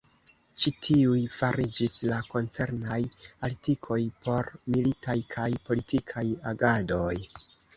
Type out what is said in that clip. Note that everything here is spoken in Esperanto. Ĉi tiuj fariĝis la koncernaj artikoj por militaj kaj politikaj agadoj.